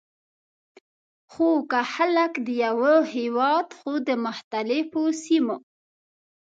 خو که خلک د یوه هیواد خو د مختلفو سیمو،